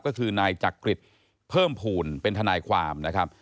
ก็คือนายจักริจเพิ่มภูมิเป็นทนายความนะครับ